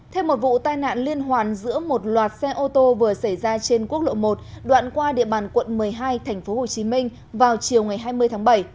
thêm một vụ tai nạn liên hoàn giữa một loạt xe ô tô vừa xảy ra trên quốc lộ một đoạn qua địa bàn quận một mươi hai tp hcm vào chiều ngày hai mươi tháng bảy